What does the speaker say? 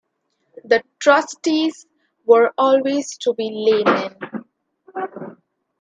The trustees were always to be laymen.